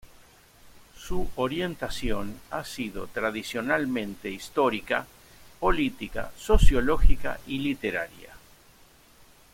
Su orientación ha sido tradicionalmente histórica, política, sociológica y literaria.